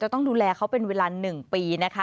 ต้องดูแลเขาเป็นเวลา๑ปีนะคะ